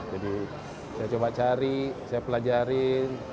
saya coba cari saya pelajarin